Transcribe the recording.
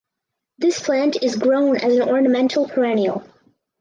This plant is grown as an ornamental perennial.